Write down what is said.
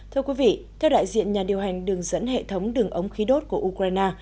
theo đại diện nhà điều hành đường dẫn hệ thống đường ống khí đốt của ukraine